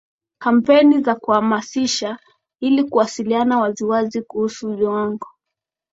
kampeni za kuhamasisha ili kuwasiliana waziwazi kuhusu viwango